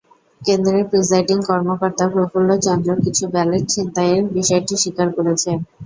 কেন্দ্রের প্রিসাইডিং কর্মকর্তা প্রফুল্ল চন্দ্র কিছু ব্যালট ছিনতাইয়ের বিষয়টি স্বীকার করেছেন।